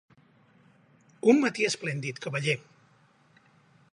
Un matí esplèndid, cavaller.